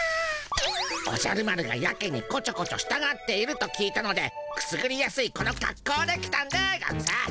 おじゃる丸がやけにこちょこちょしたがっていると聞いたのでくすぐりやすいこのかっこうで来たんでゴンス。